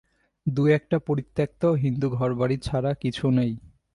দুএকটা পরিত্যক্ত হিন্দুঘরবাড়ি ছাড়া কিছু নেই।